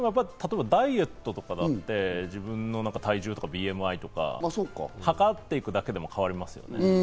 ダイエットとかだって自分の体重とかＢＭＩとか測っていくだけでも変わりますよね。